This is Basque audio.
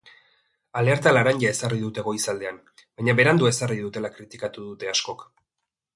Alerta laranja ezarri dute goizaldean, baina berandu ezarri dutela kritikatu dute askok.